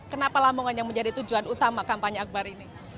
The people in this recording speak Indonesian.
kenapa lamongan yang menjadi tujuan utama kampanye akbar ini